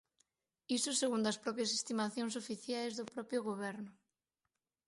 Iso segundo as propias estimacións oficiais do propio Goberno.